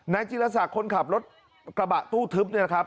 นายจิลศักดิ์คนขับรถกระบะตู้ทึบ